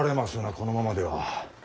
このままでは。